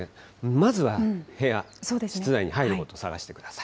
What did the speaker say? まずは部屋、室内に入ることを探してください。